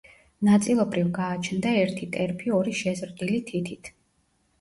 ნაწილობრივ გააჩნდა ერთი ტერფი ორი შეზრდილი თითით.